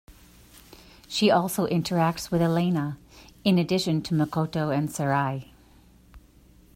She also interacts with Elena, in addition to Makoto and Sarai.